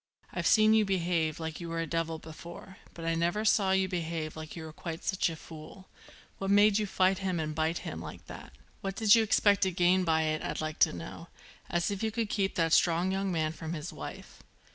"I've seen you behave like you were a devil before, but I never saw you behave like you were quite such a fool. What made you fight him and bite him like that? What did you expect to gain by it I'd like to know? As if you could keep that strong young man from his wife."